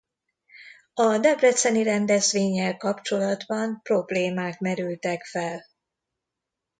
A debreceni rendezvénnyel kapcsolatban problémák merültek fel.